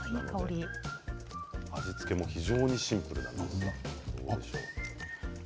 味付けも非常にシンプルです。